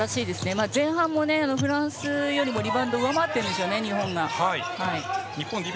前半もフランスよりリバウンドが上回っているんですよね。